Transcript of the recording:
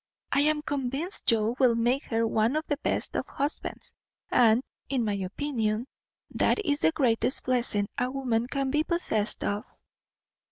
I am convinced Joe will make her one of the best of husbands; and, in my opinion, that is the greatest blessing a woman can be possessed of."